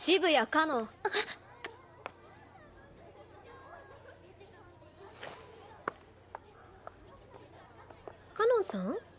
かのんさん？